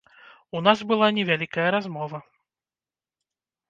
У нас была невялікая размова.